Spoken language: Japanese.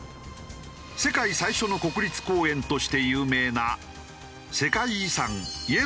世界最初の国立公園として有名な。